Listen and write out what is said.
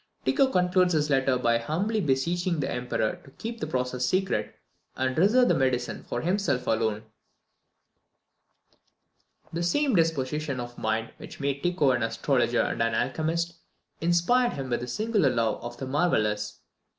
Tycho concludes his letter by humbly beseeching the Emperor to keep the process secret, and reserve the medicine for himself alone! The same disposition of mind which made Tycho an astrologer and an alchemist, inspired him with a singular love of the marvellous.